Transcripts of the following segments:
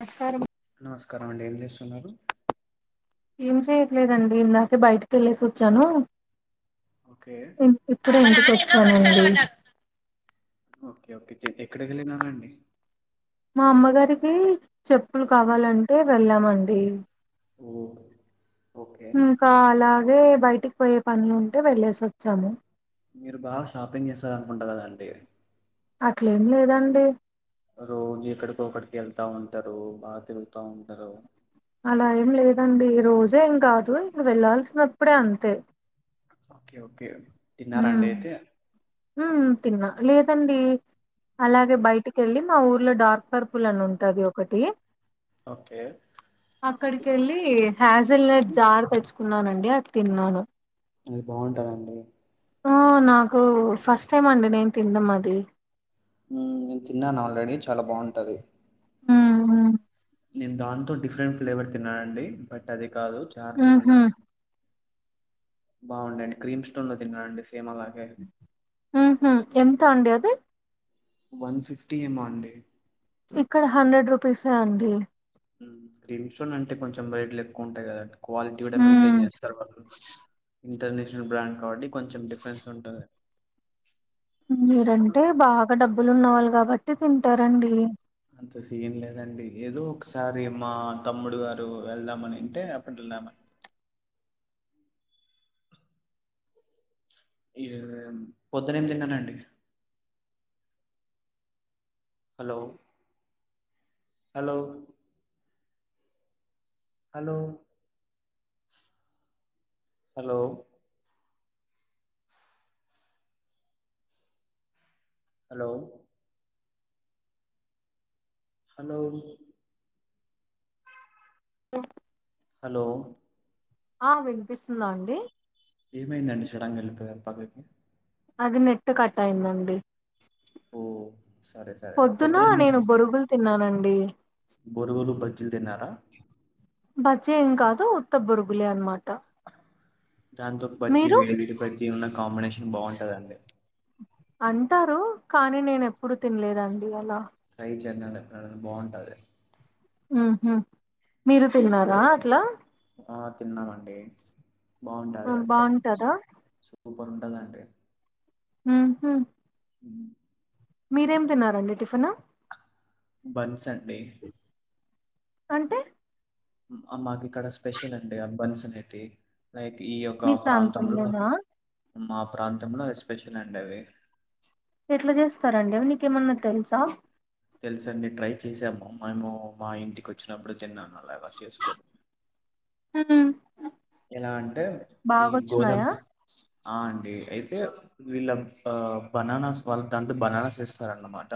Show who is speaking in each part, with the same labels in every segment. Speaker 1: నమస్కారం
Speaker 2: నమస్కారం అండి ఏం చేస్తున్నారు
Speaker 1: ఏం చేయట్లేదండి ఇందాకే బయటకి వెళ్ళేసి వొచ్చాను.
Speaker 2: ఓకే
Speaker 1: ఇప్పుడే ఇంటికి వొచ్చనండి
Speaker 2: ఓకే ఓకే జేత్ ఎక్కడికి వెళ్ళినారండి
Speaker 1: మా అమ్మగారికి చెప్పులు కావాలంటే వెళ్ళామండి.
Speaker 2: ఓ ఓకే
Speaker 1: ఇంకా అలాగే బయటికి పోయే పనులు ఉంటే వెళ్లేేసి వొచ్చాము.
Speaker 2: మీరు బాగా షాపింగ్ చేస్తారనుకుంటా కదండి
Speaker 1: అట్లేమ్ లేదండి
Speaker 2: రోజు ఎక్కడికో ఒకక్కడికి వెళ్తా ఉంటారు, బాగా తిరుగుతా ఉంటారు.
Speaker 1: అలా ఏం లేదండి రోజే ఏం కాదు ఇక వెళ్లాల్సినప్పుడే అంతే.
Speaker 2: ఓకే ఓకే తిన్నారా
Speaker 1: ఉమ్
Speaker 2: అండి అయితే
Speaker 1: ఉమ్ తిన్నా లేదండి అలాగే
Speaker 2: మ్మ్.
Speaker 1: బయటిక్ కెళ్ళి మా ఊర్లో డార్క్ పర్పుల్ అని ఉంటది ఒకటి
Speaker 2: ఓకే
Speaker 1: అక్కడికి యెళ్ళి హ్యాజెల్ జార్ తెచ్చుకున్నానండి అది తిన్నాను.
Speaker 2: అది బాగుంటాదండి
Speaker 1: ఓ నాకు ఫస్ట్ టైం అండి నేను తినడం అది
Speaker 2: ఉ నేను తిన్నాను ఆల్రెడీ చాలా బావుంటది
Speaker 1: ఉ హు
Speaker 2: నేను దాంతో డిఫరెంట్ ఫ్లేవర్ తిన్నానండి బట్ అది కాదు చార్
Speaker 1: ఊహూ
Speaker 2: తిన్నాను. బాగుండండి క్రీమ్ స్టోన్లో తిన్నానుండి సేమ్ అలాగే
Speaker 1: ఉ హు ఎంత అండి అది
Speaker 2: వన్ ఫిఫ్టీ ఏమో అండి
Speaker 1: ఇక్కడ హండ్రెడ్ రూపీసే అండి
Speaker 2: క్రీమ్ స్టోన్ అంటే కొంచెం రేట్లు ఎక్కువుంటాయి కదా అండి క్వాలిటీ కూడా
Speaker 1: హ్మ్
Speaker 2: మెయింటైన్ చేస్తారు వాళ్ళు. ఇంటర్నేషనల్ బ్రాండ్ కాబట్టి కొంచెం డిఫరెన్స్ ఉంటాది.
Speaker 1: మీరంటే బాగా డబ్బులు ఉన్నవాళ్ళు కాబట్టి తింటారండి.
Speaker 2: అంత సీన్ లేదండి ఏదో ఒకసారి మా తమ్ముడు గారు వెళ్దామని అంటే అప్పటి వెళ్ళామని ఏం పొద్దునేం తిన్నారండి hello hello hello hello hello hello
Speaker 1: ఓ
Speaker 2: హలో
Speaker 1: ఆ వినిపిస్తుందా అండి
Speaker 2: ఏమైందండి సడన్ గా వెళ్లిపోయారు పక్కకి
Speaker 1: అది నెట్టు కట్ అయిందండి
Speaker 2: ఓహ్! సరే సరే.
Speaker 1: పొద్దున
Speaker 2: పొద్దునేం
Speaker 1: నేను బొరుగులు తిన్నానండి
Speaker 2: బోరుగోలు బజ్జిలు తిన్నారా
Speaker 1: బజ్జి ఏం కాదు ఉత్త బురుగులే అనమాట
Speaker 2: దాంతో బజ్జి వేడివిడి బజ్జి ఉన్న కాంబినేషన్ బాగుంటదండి
Speaker 1: అంటారు కానీ నేను ఎప్పుడు తినలేదండి అలా
Speaker 2: ట్రై చేయండి ఎపుడైనా బాగుంటది
Speaker 1: ఉహు మీరు తిన్నారా అట్లా
Speaker 2: ఆ తిన్నామండి బాగుంటది అది కానీ
Speaker 1: బాగుంటదా
Speaker 2: సూపర్ ఉంటదండి
Speaker 1: ఉహు
Speaker 2: ఉ
Speaker 1: మీరేం తిన్నారండి టిఫిన్
Speaker 2: బన్స్ అండి
Speaker 1: అంటే
Speaker 2: మాకిక్కడ స్పెషల్ అండి ఆ బన్స్ అనేటివి లైక్ ఈ యొక్క
Speaker 1: మీ
Speaker 2: ప్రాంతంలో
Speaker 1: ప్రాంతంలోనా
Speaker 2: మా ప్రాంతంలో ఎస్పెషల్ అండి అవి
Speaker 1: ఎట్లా చేస్తారండి నీకేమన్నా తెలుసా
Speaker 2: తెలుసండి ట్రై చేసాము మేము మా ఇంటికి వచ్చినప్పుడు తిన్నాను అలాగా చేసుకోని
Speaker 1: ఊ
Speaker 2: ఎలా అంటే ఈ గోధుమ ఆ అండి అయితే వీళ్ళ బనానాస్ వాళ్ళ దాంట్లో బనానాస్ ఏస్తారన్నమాట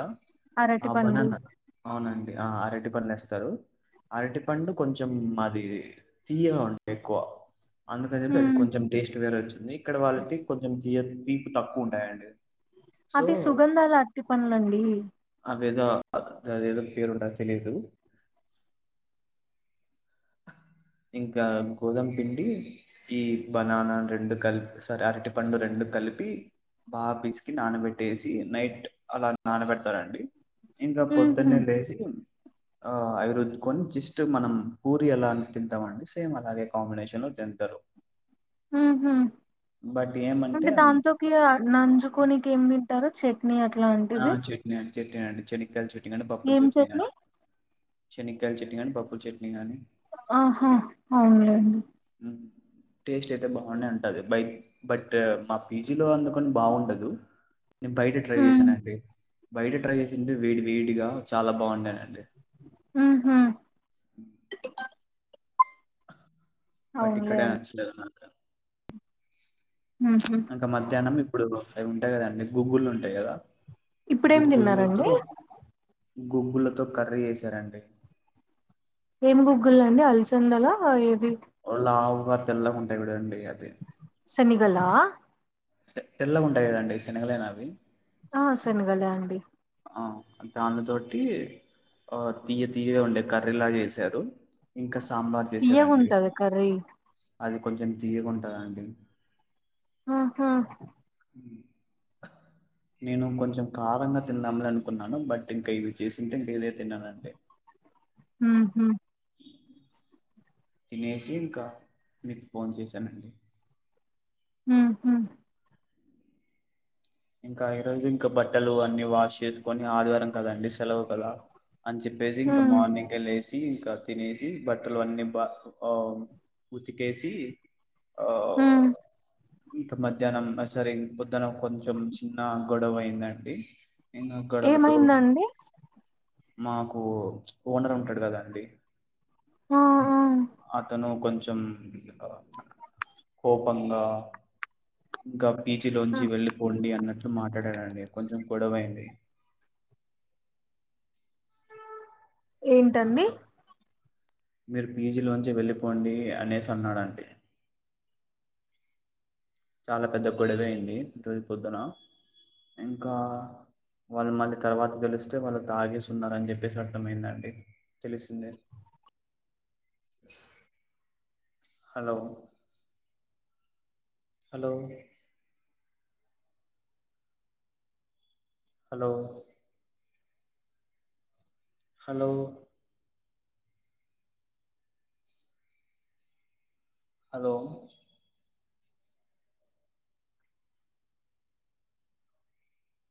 Speaker 1: అరటి
Speaker 2: ఆ
Speaker 1: పండ్లు
Speaker 2: బననా అవునండి ఆ ఆ అరటిపండు వేస్తారు అరటి పండు కొంచెం మాది తీయగా ఉంటాయి ఎక్కువ అందుకని చెప్పి అది
Speaker 1: హ్మ్
Speaker 2: కొంచెం టేస్ట్ వేరే వచ్చింది ఇక్కడ వాళ్ళకి కొంచెం తీయ తీపు తక్కువ ఉంటాయండి సో
Speaker 1: అది సుగంధాల అరటిపండ్లు అండి
Speaker 2: అదేదో అదేదో పేరు ఉంటద్ది తెలిదు ఇంకా గోధామ పిండి ఈ బనానా రెండు కలిపి సరె అరటి పండు రెండు కలిపి బాగా పీసుకి నానబెట్టేసి నైట్ అలా నానబెడతారండి ఇంకా
Speaker 1: ఊహూ
Speaker 2: పొద్దున్నే లేసి ఆ అవిరుద్కొని జస్ట్ మనం పూరి అలా తింటామండి సేమ్ అలాగే కాంబినేషన్ లో తింటారు
Speaker 1: ఉహు
Speaker 2: బట్ ఏమంటే
Speaker 1: అంటే దాంట్లో కి ఇగ నంజుకొనికి ఏం తిట్టారు చట్నీ అట్లాంటిది
Speaker 2: మేం చట్నీ అండి చెెనకాయ చెట్నీ కానీ పపల్
Speaker 1: ఏం
Speaker 2: చెట్నీ కానీ
Speaker 1: చట్నీ
Speaker 2: చెనకాయల చెట్నీ కానీ పప్పుల చెట్ని గానీ
Speaker 1: ఆహా అవునులేండి
Speaker 2: హ్మ్ టేస్ట్ అయితే బాగునే ఉంటది బై బట్ మా పీజీ లో అందుకని బాగుండదు. నేను బయట ట్రై
Speaker 1: హ్మ్
Speaker 2: చేసానుండి బయట ట్రై జేసిఉంటే వేడి వేడిగా చాలా బాగుండేనండి
Speaker 1: హా హా
Speaker 2: బట్
Speaker 1: అవునులే
Speaker 2: ఇక్కడ
Speaker 1: అండి
Speaker 2: నచ్చలేదు నాక
Speaker 1: ఆహా
Speaker 2: ఇంకా మధ్యాహ్నం ఇప్పుడు అవి ఉంటాయి కదండి గూగుల్ ఉంటాయి కదా
Speaker 1: ఇప్పుడేం
Speaker 2: గుగ్గులతో
Speaker 1: తిన్నారండి
Speaker 2: గుగ్గులతో కర్ర ఏసిరండి
Speaker 1: ఏమి గుగ్గులు అండి అలసందల ఏది
Speaker 2: ఓ లావు గా తెల్లాగా ఉంటాయి ఉడండి చూడు అవి
Speaker 1: సేనిగళ
Speaker 2: తెల్లగా ఉంటాయి గదా అండి శనగలేన అవి
Speaker 1: ఆ శనగలే అండి
Speaker 2: ఆ దాని తోని ఆ తీయ తీయ ఉండే కర్రీలాగా చేసారు ఇంకా సాంబార్ చేసారండి
Speaker 1: తియ్యగుంటది కర్రీ
Speaker 2: అది కొంచెం తీయగా ఉంటందండి.
Speaker 1: ఆహా
Speaker 2: హ్మ్ నేను కొంచెం కారంగా తిన్నామని అనుకున్నాను బట్ ఇంకా ఇది చేసింటే ఇంక ఏదే తిన్నలండి.
Speaker 1: ఉహుం
Speaker 2: తినేసి ఇంకా మీకు ఫోన్ చేశానండి
Speaker 1: హు హుమ్
Speaker 2: ఇంకా ఈ రోజు ఇంకా బట్టలు అన్ని వాష్ చేసుకొని ఆదివారం కదండి సెలవు కదా అని చెప్పేసి
Speaker 1: ఉ
Speaker 2: మార్నింగ్ ఇగ లేసి ఇంకా తినేసి బట్టలు అన్నీ బా ఆ ఉతికేసి ఆ
Speaker 1: ఉ
Speaker 2: ఇక మధ్యాహ్నం సరి పొద్దున పో కొంచెం చిన్న గొడవ అయిందండి నేను గొడవతో
Speaker 1: ఏమైందండి
Speaker 2: మాకు వ్చ్ ఓనర్ ఉంటాడు కదా అండి
Speaker 1: ఆ
Speaker 2: వ్మ్
Speaker 1: ఆ
Speaker 2: అతను కొంచం ఆ కోపంగా ఇంకా
Speaker 1: ఆ
Speaker 2: పీజీలోంచి వెళ్లి అన్నట్లు మాట్లాడాడండి కొంచెం గొడవైంది
Speaker 1: ఏంటండి
Speaker 2: హలో మీరు పీజీలోంచి వెళ్ళిపోండి అనేసి ఉన్నాడండి చాలా పెద్ద గొడవ అయింది ఈరోజు పొద్దున ఇంకా వాళ్ళు మళ్ళీ తర్వాత తేలిస్తే వాళ్ళు తాగేస్తున్నారు అని చెప్పేసి అర్థమయిందండి తెలిసింది hello hello hello hello hello